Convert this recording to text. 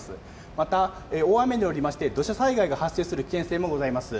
また、大雨によりまして、土砂災害が発生する危険性もございます。